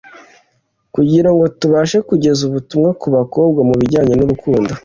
kugira ngo tubashe kugeza ubutumwa ku bakobwa mu bijyanye n'urukundo